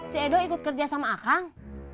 ce edo ikut kerja sama akang